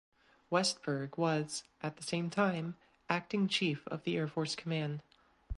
Westberg was at the same time acting chief of the Air Force Command.